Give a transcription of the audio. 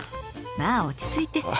まあ落ち着いて。